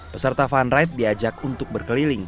peserta fun ride diajak untuk berkeliling